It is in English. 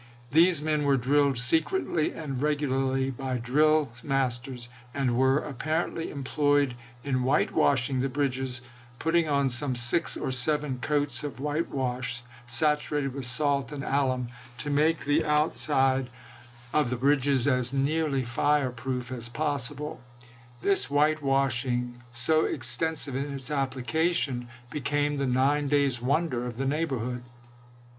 These men were drilled secretly and regularly by drill masters, and were apparently employed in whitewashing the bridges, putting on some six or seven coats of white wash, saturated with salt and alum, to make the outside Vol. III.— 20 $06 ABRAHAM LINCOLN Sehouler, " Massa chusetts]]! the Civil War," Vol. I., pp. 61,62. of the bridges as nearly fire proof as possible. This white washing, so extensive in its application, became the nine days' wonder of the neighborhood.